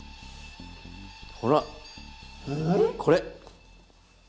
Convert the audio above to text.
ほらこれ。